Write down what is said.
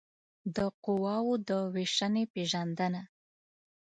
د قواوو د وېشنې پېژندنه